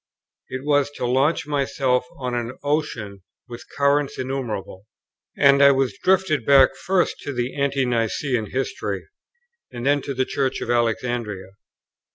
It was to launch myself on an ocean with currents innumerable; and I was drifted back first to the ante Nicene history, and then to the Church of Alexandria.